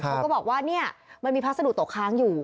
เขาก็บอกว่าเนี่ยมันมีพัสดุตกค้างอยู่